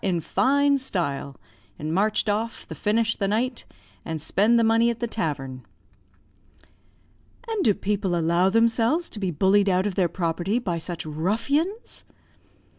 in fine style, and marched off the finish the night and spend the money at the tavern." "And do people allow themselves to be bullied out of their property by such ruffians?"